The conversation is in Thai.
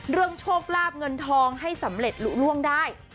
เรื่องโชคราบเงินทองให้สำเร็จหลุ้งได้